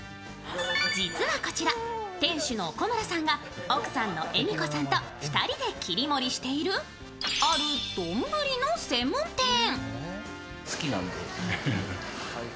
実はこちら、店主の古村さんが奥さんの笑美子さんと２人で切り盛りしているある丼の専門店。